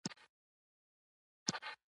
احمدشاه بابا د ملت د وحدت بنسټ کيښود.